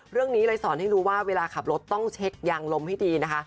เรื่องนี้เลยสอนให้รู้ว่าเวลาขับรถต้องเช็คยางลมให้ดีนะคะ